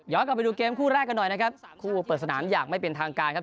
กลับไปดูเกมคู่แรกกันหน่อยนะครับคู่เปิดสนามอย่างไม่เป็นทางการครับ